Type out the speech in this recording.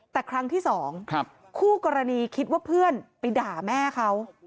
แต่ครั้งที่๒คู่กรณีคิดว่าเพื่อนไปด่าแม่เขา